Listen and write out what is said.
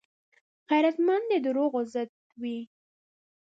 غیرتمند د دروغو ضد وي